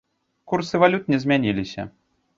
Курсы валют не змяніліся.